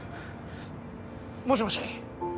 もしもし？